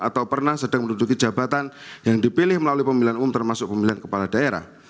atau pernah sedang menduduki jabatan yang dipilih melalui pemilihan umum termasuk pemilihan kepala daerah